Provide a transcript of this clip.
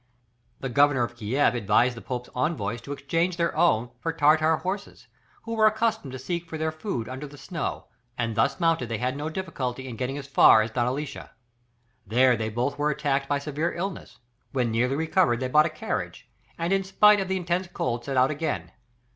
The Governor of Kiev advised the Pope's envoys to exchange their own for Tartar horses, who were accustomed to seek for their food under the snow, and thus mounted they had no difficulty in getting as far as Danilisha. There they both were attacked by severe illness; when nearly recovered they bought a carriage, and in spite of the intense cold set out again.